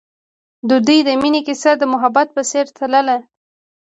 د دوی د مینې کیسه د محبت په څېر تلله.